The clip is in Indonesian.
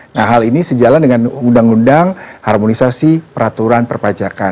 nah hal ini sejalan dengan undang undang harmonisasi peraturan perpajakan